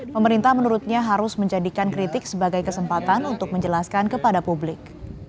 pemerintah menurutnya harus menjadikan kritik sebagai kesempatan untuk menjelaskan kepada publik